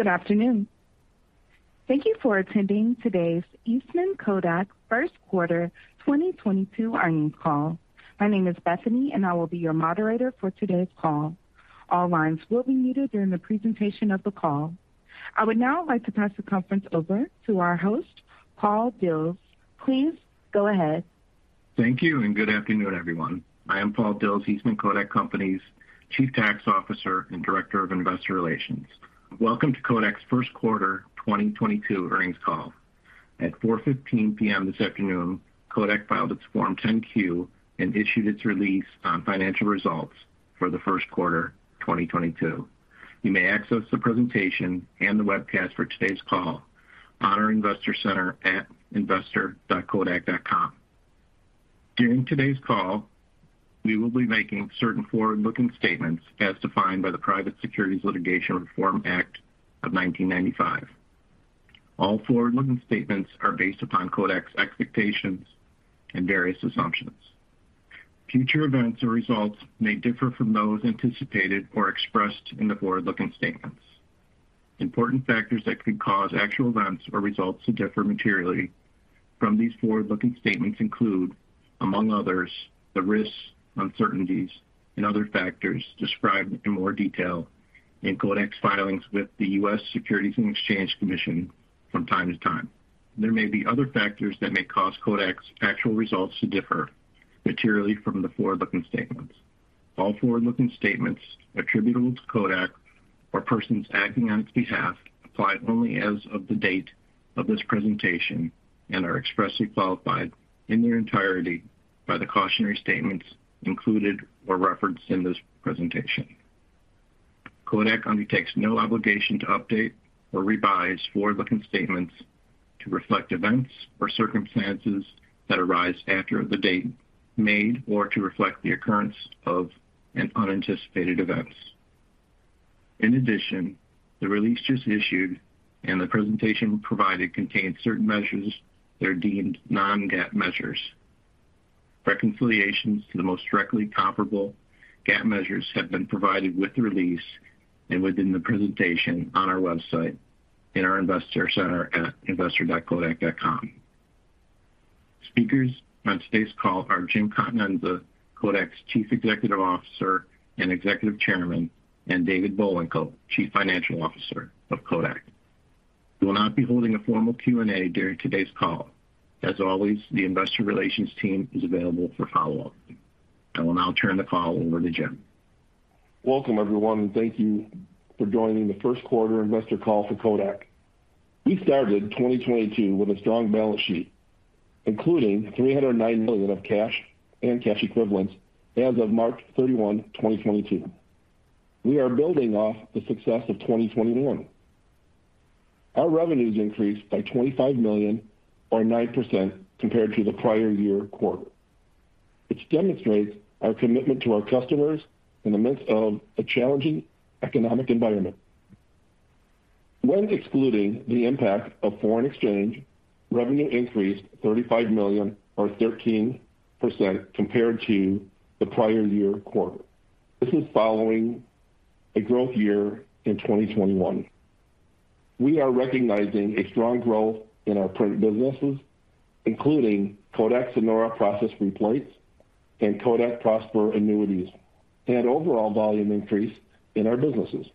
Good afternoon. Thank you for attending today's Eastman Kodak first quarter 2022 earnings call. My name is Bethany, and I will be your moderator for today's call. All lines will be muted during the presentation of the call. I would now like to pass the conference over to our host, Paul Dils. Please go ahead. Thank you, and good afternoon, everyone. I am Paul Dils, Eastman Kodak Company's Chief Tax Officer and Director of Investor Relations. Welcome to Kodak's first quarter 2022 earnings call. At 4:15 P.M. this afternoon, Kodak filed its Form 10-Q and issued its release on financial results for the first quarter 2022. You may access the presentation and the webcast for today's call on our investor center at investor.kodak.com. During today's call, we will be making certain forward-looking statements as defined by the Private Securities Litigation Reform Act of 1995. All forward-looking statements are based upon Kodak's expectations and various assumptions. Future events or results may differ from those anticipated or expressed in the forward-looking statements. Important factors that could cause actual events or results to differ materially from these forward-looking statements include, among others, the risks, uncertainties, and other factors described in more detail in Kodak's filings with the U.S. Securities and Exchange Commission from time to time. There may be other factors that may cause Kodak's actual results to differ materially from the forward-looking statements. All forward-looking statements attributable to Kodak or persons acting on its behalf apply only as of the date of this presentation and are expressly qualified in their entirety by the cautionary statements included or referenced in this presentation. Kodak undertakes no obligation to update or revise forward-looking statements to reflect events or circumstances that arise after the date made or to reflect the occurrence of an unanticipated event. In addition, the release just issued and the presentation provided contains certain measures that are deemed non-GAAP measures. Reconciliations to the most directly comparable GAAP measures have been provided with the release and within the presentation on our website in our investor center at investor.kodak.com. Speakers on today's call are Jim Continenza, Kodak's Chief Executive Officer and Executive Chairman, and David Bullwinkle, Chief Financial Officer of Kodak. We will not be holding a formal Q&A during today's call. As always, the investor relations team is available for follow-up. I will now turn the call over to Jim. Welcome, everyone, and thank you for joining the first quarter investor call for Kodak. We started 2022 with a strong balance sheet, including $309 million of cash and cash equivalents as of March 31, 2022. We are building off the success of 2021. Our revenues increased by $25 million or 9% compared to the prior year quarter, which demonstrates our commitment to our customers in the midst of a challenging economic environment. When excluding the impact of foreign exchange, revenue increased $35 million or 13% compared to the prior year quarter. This is following a growth year in 2021. We are recognizing a strong growth in our print businesses, including KODAK SONORA Process Free Plates and KODAK PROSPER annuities and overall volume increase in our businesses.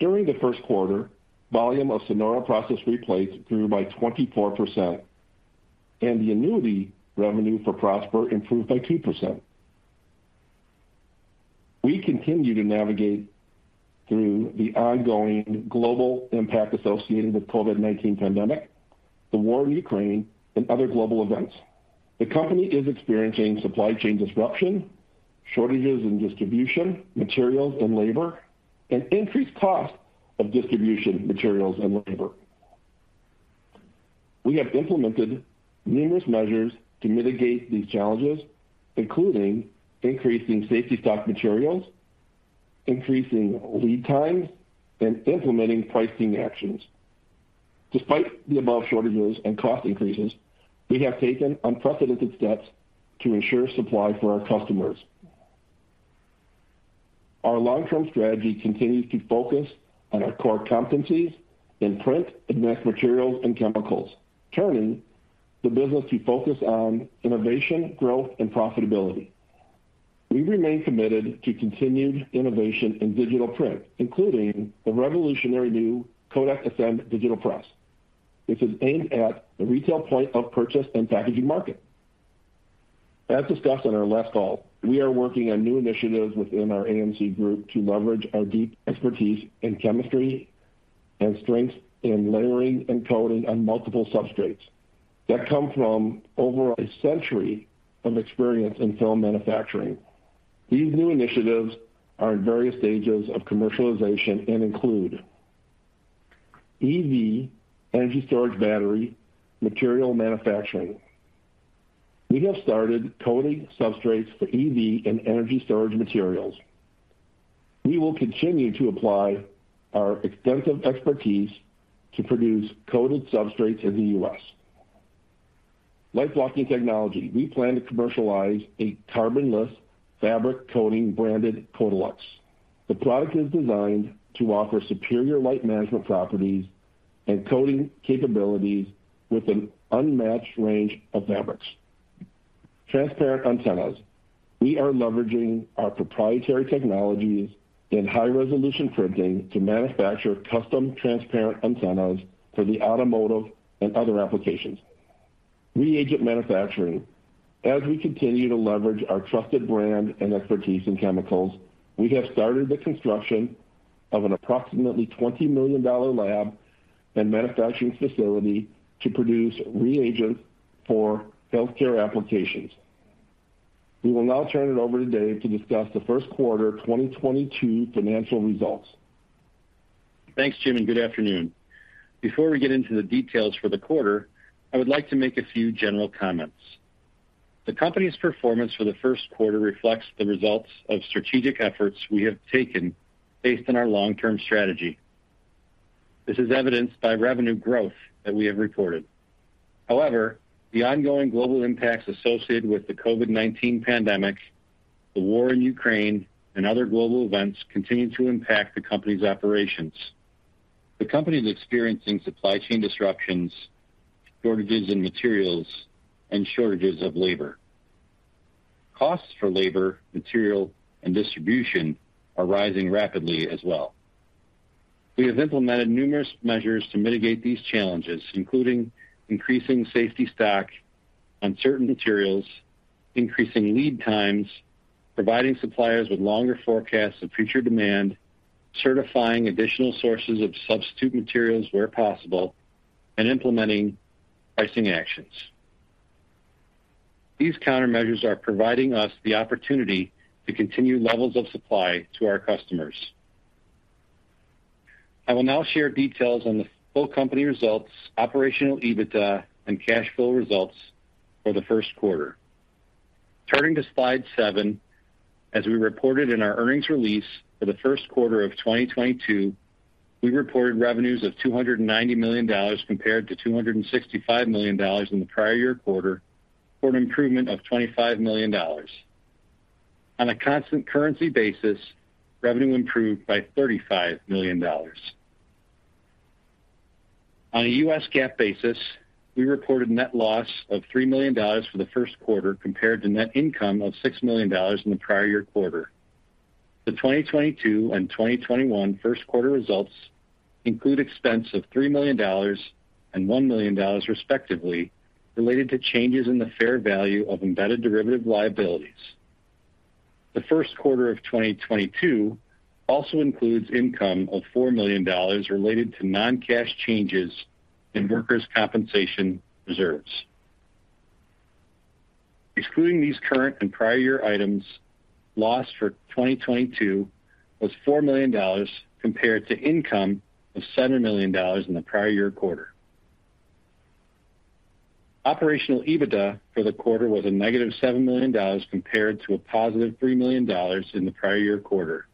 During the first quarter, volume of SONORA Process Free Plates grew by 24%, and the annuity revenue for PROSPER improved by 2%. We continue to navigate through the ongoing global impact associated with COVID-19 pandemic, the war in Ukraine and other global events. The company is experiencing supply chain disruption, shortages in distribution, materials and labor, and increased cost of distribution materials and labor. We have implemented numerous measures to mitigate these challenges, including increasing safety stock materials, increasing lead times, and implementing pricing actions. Despite the above shortages and cost increases, we have taken unprecedented steps to ensure supply for our customers. Our long-term strategy continues to focus on our core competencies in print, Advanced Materials and Chemicals, turning the business to focus on innovation, growth and profitability. We remain committed to continued innovation in digital print, including the revolutionary new KODAK ASCEND digital press, which is aimed at the retail point of purchase and packaging market. As discussed on our last call, we are working on new initiatives within our AMC group to leverage our deep expertise in chemistry and strength in layering and coating on multiple substrates that come from over a century of experience in film manufacturing. These new initiatives are in various stages of commercialization and include EV energy storage battery material manufacturing. We have started coating substrates for EV and energy storage materials. We will continue to apply our extensive expertise to produce coated substrates in the U.S. Light blocking technology. We plan to commercialize a carbonless fabric coating branded KODALUX. The product is designed to offer superior light management properties and coating capabilities with an unmatched range of fabrics. Transparent antennas. We are leveraging our proprietary technologies in high-resolution printing to manufacture custom transparent antennas for the automotive and other applications. Reagent manufacturing. As we continue to leverage our trusted brand and expertise in chemicals, we have started the construction of an approximately $20 million lab and manufacturing facility to produce reagents for healthcare applications. We will now turn it over to David Bullwinkle to discuss the first quarter 2022 financial results. Thanks, Jim, and good afternoon. Before we get into the details for the quarter, I would like to make a few general comments. The company's performance for the first quarter reflects the results of strategic efforts we have taken based on our long-term strategy. This is evidenced by revenue growth that we have reported. However, the ongoing global impacts associated with the COVID-19 pandemic, the war in Ukraine, and other global events continue to impact the company's operations. The company is experiencing supply chain disruptions, shortages in materials, and shortages of labor. Costs for labor, material, and distribution are rising rapidly as well. We have implemented numerous measures to mitigate these challenges, including increasing safety stock on certain materials, increasing lead times, providing suppliers with longer forecasts of future demand, certifying additional sources of substitute materials where possible, and implementing pricing actions. These countermeasures are providing us the opportunity to continue levels of supply to our customers. I will now share details on the full company results, Operational EBITDA, and cash flow results for the first quarter. Turning to slide 7, as we reported in our earnings release for the first quarter of 2022, we reported revenues of $290 million compared to $265 million in the prior year quarter, for an improvement of $25 million. On a constant currency basis, revenue improved by $35 million. On a U.S. GAAP basis, we reported net loss of $3 million for the first quarter compared to net income of $6 million in the prior year quarter. The 2022 and 2021 first quarter results include expense of $3 million and $1 million, respectively, related to changes in the fair value of embedded derivative liabilities. The first quarter of 2022 also includes income of $4 million related to non-cash changes in workers' compensation reserves. Excluding these current and prior year items, loss for 2022 was $4 million compared to income of $7 million in the prior year quarter. Operational EBITDA for the quarter was a negative $7 million compared to a positive $3 million in the prior year quarter.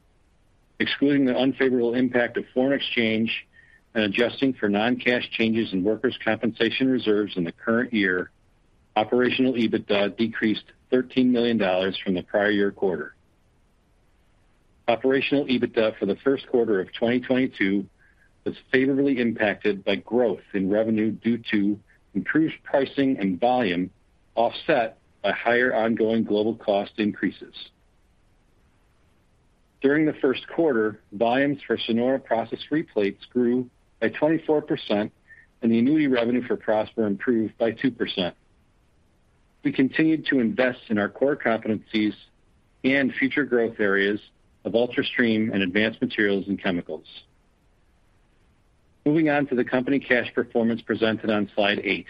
Excluding the unfavorable impact of foreign exchange and adjusting for non-cash changes in workers' compensation reserves in the current year, operational EBITDA decreased $13 million from the prior year quarter. Operational EBITDA for the first quarter of 2022 was favorably impacted by growth in revenue due to increased pricing and volume, offset by higher ongoing global cost increases. During the first quarter, volumes for SONORA Process Free Plates grew by 24%, and the annuity revenue for PROSPER improved by 2%. We continued to invest in our core competencies and future growth areas of ULTRASTREAM and Advanced Materials and Chemicals. Moving on to the company cash performance presented on slide 8.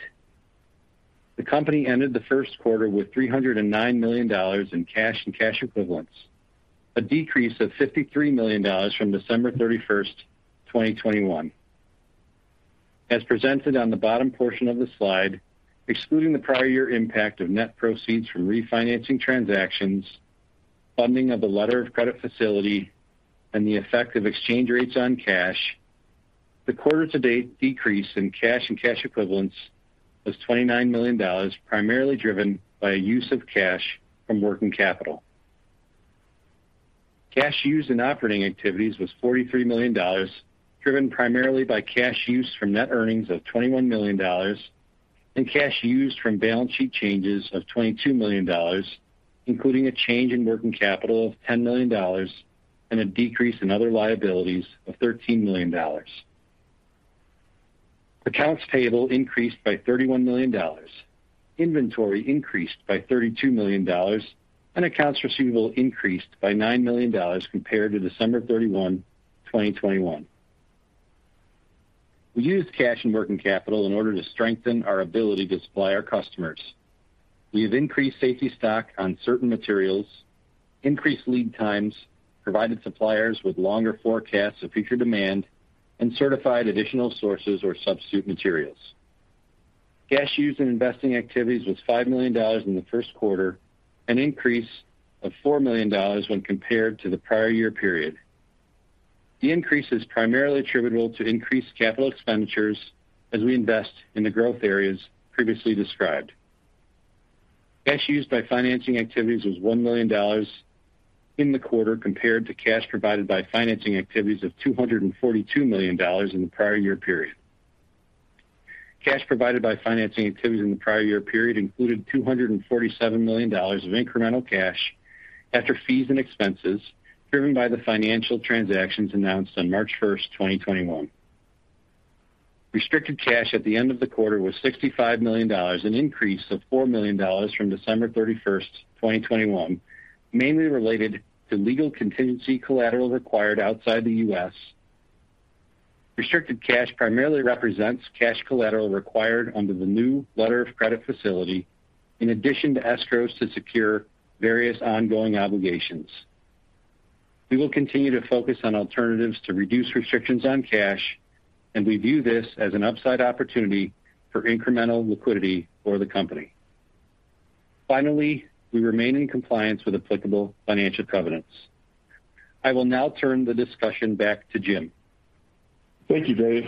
The company ended the first quarter with $309 million in cash and cash equivalents, a decrease of $53 million from December 31, 2021. As presented on the bottom portion of the slide, excluding the prior year impact of net proceeds from refinancing transactions, funding of the letter of credit facility, and the effect of exchange rates on cash, the quarter to date decrease in cash and cash equivalents was $29 million, primarily driven by a use of cash from working capital. Cash used in operating activities was $43 million, driven primarily by cash use from net earnings of $21 million and cash used from balance sheet changes of $22 million, including a change in working capital of $10 million and a decrease in other liabilities of $13 million. Accounts payable increased by $31 million. Inventory increased by $32 million. Accounts receivable increased by $9 million compared to December 31, 2021. We used cash and working capital in order to strengthen our ability to supply our customers. We have increased safety stock on certain materials, increased lead times, provided suppliers with longer forecasts of future demand, and certified additional sources or substitute materials. Cash used in investing activities was $5 million in the first quarter, an increase of $4 million when compared to the prior year period. The increase is primarily attributable to increased capital expenditures as we invest in the growth areas previously described. Cash used by financing activities was $1 million in the quarter, compared to cash provided by financing activities of $242 million in the prior year period. Cash provided by financing activities in the prior year period included $247 million of incremental cash after fees and expenses driven by the financial transactions announced on March 1, 2021. Restricted cash at the end of the quarter was $65 million, an increase of $4 million from December 31, 2021, mainly related to legal contingency collateral required outside the U.S. Restricted cash primarily represents cash collateral required under the new letter of credit facility in addition to escrows to secure various ongoing obligations. We will continue to focus on alternatives to reduce restrictions on cash, and we view this as an upside opportunity for incremental liquidity for the company. Finally, we remain in compliance with applicable financial covenants. I will now turn the discussion back to Jim. Thank you, Dave.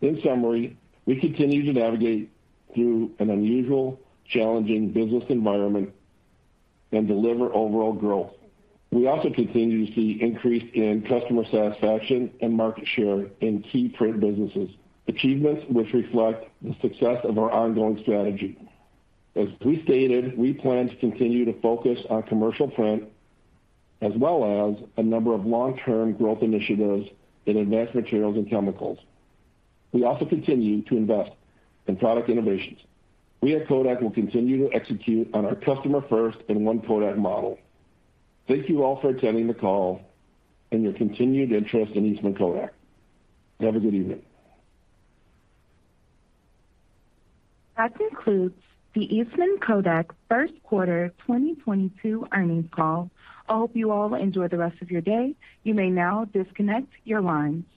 In summary, we continue to navigate through an unusual, challenging business environment and deliver overall growth. We also continue to see increase in customer satisfaction and market share in key print businesses, achievements which reflect the success of our ongoing strategy. As we stated, we plan to continue to focus on commercial print, as well as a number of long-term growth initiatives in Advanced Materials and Chemicals. We also continue to invest in product innovations. We at Kodak will continue to execute on our customer first in one Kodak model. Thank you all for attending the call and your continued interest in Eastman Kodak. Have a good evening. That concludes the Eastman Kodak first quarter 2022 earnings call. I hope you all enjoy the rest of your day. You may now disconnect your line.